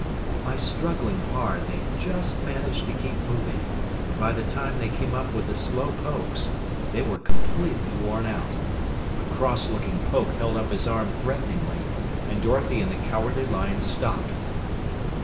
By struggling hard, they just managed to keep moving, and by the time they came up with the Slow Pokes, they were completely worn out. A cross looking Poke held up his arm threateningly, and Dorothy and the Cowardly Lion stopped.